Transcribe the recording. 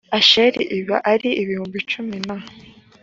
asheri l bari ibihumbi cumi na